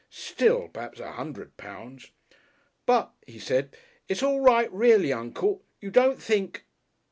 Still perhaps a hundred pounds "But," he said. "It's all right, reely, Uncle. You don't think